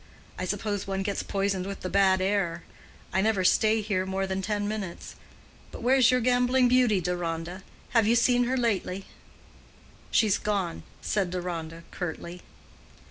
I suppose one gets poisoned with the bad air. I never stay here more than ten minutes. But where's your gambling beauty, Deronda? Have you seen her lately?" "She's gone," said Deronda, curtly.